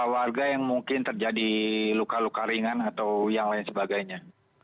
warga yang mungkin terjadi luka luka ringan atau yang lain sebagainya